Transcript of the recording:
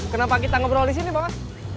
kenapa kita ngobrol di sini bapak